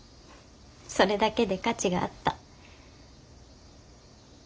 それだけで価値があった。